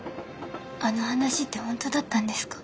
あの話って本当だったんですか？